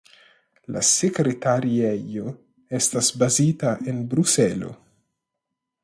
La sekretariejo estas bazita en Bruselo.